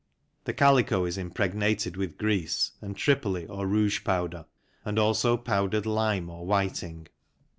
The calico is impregnated with grease and tripoli or rouge powder and also powdered lime or whiting.